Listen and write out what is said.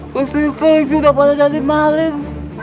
kesukaan sudah pada jadi maling